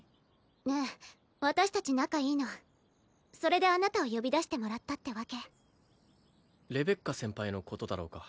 ええ私達仲いいのそれであなたを呼び出してもらったってわけレベッカ先輩のことだろうか？